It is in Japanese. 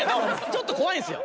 ちょっと怖いんすよ。